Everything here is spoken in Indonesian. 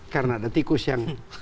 karena ada tikus yang